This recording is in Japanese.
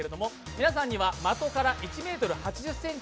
皆さんには的から１ｍ８０ｃｍ